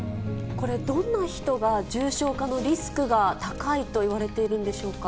これ、どんな人が重症化のリスクが高いといわれているんでしょうか。